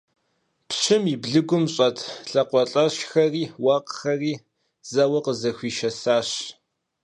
Пщым и блыгум щӀэт лӀакъуэлӀэшхэри уэркъхэри зэуэ къызэхуишэсащ.